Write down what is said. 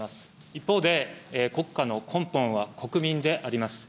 一方で、国家の根本は国民であります。